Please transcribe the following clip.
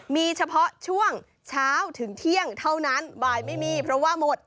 มีเฉพาะช่วงเช้าถึงเที่ยงเท่านั้นบ่ายไม่มีเพราะว่าหมด